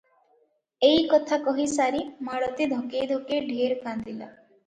ଏଇ କଥା କହି ସାରି ମାଳତୀ ଧକେଇ ଧକେଇ ଢେର କାନ୍ଦିଲା ।